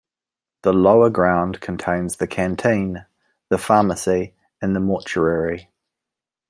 The lower ground contains the canteen, the pharmacy and the mortuary.